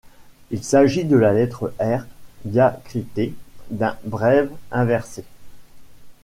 Il s'agit de la lettre R diacritée d'un brève inversée.